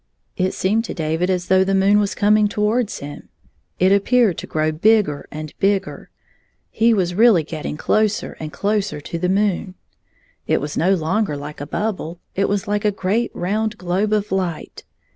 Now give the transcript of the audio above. It seemed to David as though the moon was coming towards him; it appeared to grow bigger and bigger — he was really getting closer and closer to the moon. It was no longer like a bubble; it was like a great round globe of light.